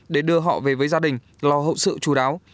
để đưa họ về với gia đình lo hậu sự chú đáo